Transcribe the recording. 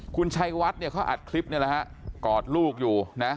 คุณชัยวัดเนี่ยเขาอัดคลิปนี่แหละฮะกอดลูกอยู่นะ